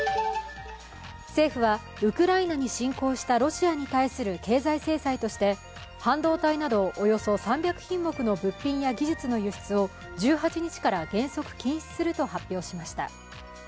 政府は、ウクライナに侵攻したロシアに対する経済制裁として半導体などおよそ３００品目の物品や技術の輸出を１８日から原則禁止すると発表しました。